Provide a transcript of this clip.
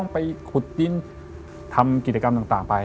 ไปขุดดินทำกิจกรรมต่างไป